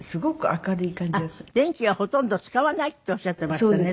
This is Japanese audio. あっ電気はほとんど使わないっておっしゃっていましたね